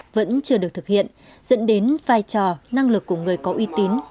vẫn chưa được thực hiện dẫn đến vai trò năng lực của người có uy tín